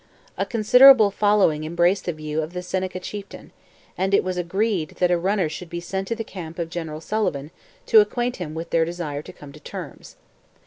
A considerable following embraced the view of the Seneca chieftain, and it was agreed that a runner should be sent to the camp of General Sullivan to acquaint him with their desire to come to terms.